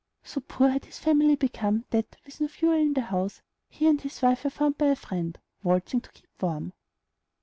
So poor had his family become, that, with no fuel in the house, he and his wife were found by a friend, waltzing to keep warm.